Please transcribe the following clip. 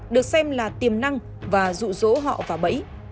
được xem là tiềm năng và dụ dỗ họ vào bẫy